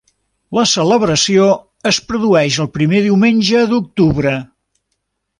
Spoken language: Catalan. La celebració es produeix el primer diumenge d'octubre.